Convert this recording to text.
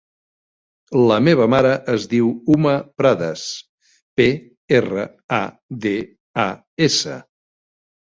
La meva mare es diu Uma Pradas: pe, erra, a, de, a, essa.